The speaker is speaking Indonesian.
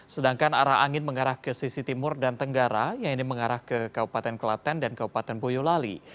sedangkan arah angin mengarah ke sisi timur dan tenggara yaitu mengarah ke kabupaten kelaten dan kabupaten boyolali